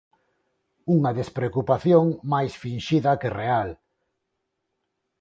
Unha despreocupación máis finxida que real.